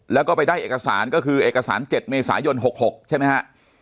แล้วก็ไปได้เอกสารก็คือเอกสาร๗เมษายน๖๖ใช่ไหมฮะ